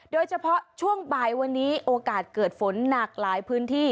โดยเฉพาะช่วงบ่ายวันนี้โอกาสเกิดฝนหนักหลายพื้นที่